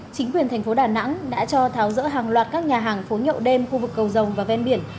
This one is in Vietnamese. chính quyền thành phố đà nẵng đã cho tháo rỡ hàng loạt các nhà hàng phố nhậu đêm khu vực cầu rồng và ven biển